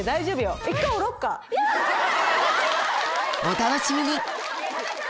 お楽しみに！